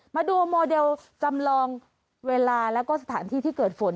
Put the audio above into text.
มาดูโมเดลจำลองเวลาแล้วก็สถานที่ที่เกิดฝน